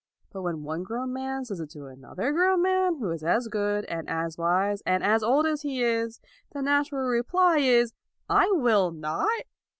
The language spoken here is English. But when one grown man says it to another grown man who is as good and as wise and as old as he is, the natural reply is " I will not."